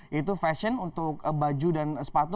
yaitu fashion untuk baju dan sepatu